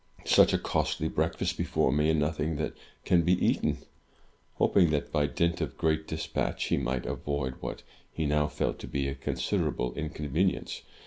"Such a costly breakfast before me, and nothing that can be eaten!" Hoping that, by dint of great dispatch, he might avoid what he now felt to be a considerable inconvenience.